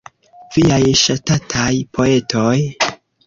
Viaj ŝatataj poetoj?